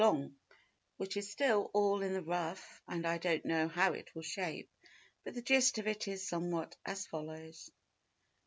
long, which is still all in the rough and I don't know how it will shape, but the gist of it is somewhat as follows:— 1.